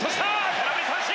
空振り三振！